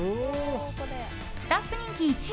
スタッフ人気１位。